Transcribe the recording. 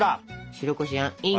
白こしあんイン！